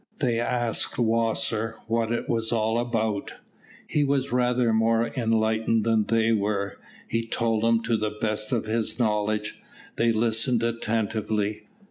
They asked Wasser what it was all about. He was rather more enlightened than they were. He told them to the best of his knowledge. They listened attentively.